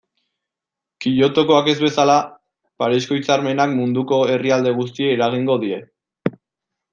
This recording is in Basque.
Kyotokoak ez bezala, Parisko hitzarmenak munduko herrialde guztiei eragingo die.